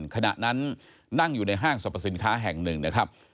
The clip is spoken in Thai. ขณะนั้นนั่งอยู่ในห้างสรรพสินค้าแห่งหนึ่งนะครับ